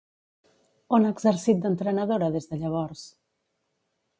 On ha exercit d'entrenadora des de llavors?